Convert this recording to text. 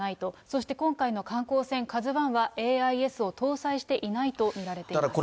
そして、今回の観光船カズワンはＡＩＳを搭載していないと見られています。